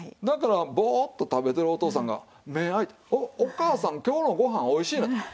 だからボーッと食べてるお父さんが目開いて「おお母さん今日のご飯おいしいな」。